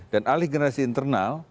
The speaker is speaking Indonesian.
dan alih generasi internal